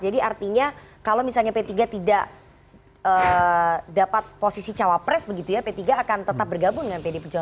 artinya kalau misalnya p tiga tidak dapat posisi cawapres begitu ya p tiga akan tetap bergabung dengan pdi perjuangan